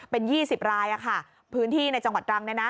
เป็น๒๐รายพื้นที่ในจังหวัดตรัง